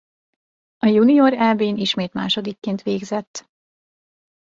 A junior Eb-n ismét másodikként végzett.